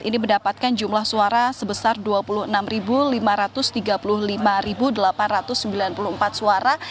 ini mendapatkan jumlah suara sebesar dua puluh enam lima ratus tiga puluh lima delapan ratus sembilan puluh empat suara